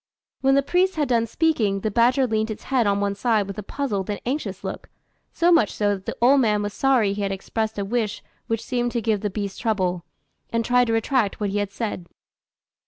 When the priest had done speaking, the badger leant its head on one side with a puzzled and anxious look, so much so that the old man was sorry he had expressed a wish which seemed to give the beast trouble, and tried to retract what he had said.